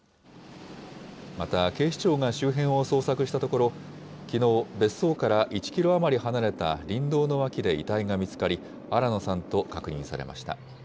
また、警視庁が周辺を捜索したところ、きのう、別荘から１キロ余り離れた林道の脇で遺体が見つかり、新野さんと確認されました。